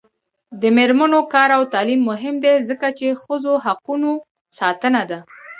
د میرمنو کار او تعلیم مهم دی ځکه چې ښځو حقونو ساتنه ده.